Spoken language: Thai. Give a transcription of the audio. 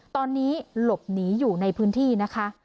ตอนนี้หลบหนีอยู่ในพื้นที่นะคะ